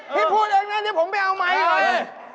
พี่พูดเองเนี่ยนี่ผมไปเอาไม้เลย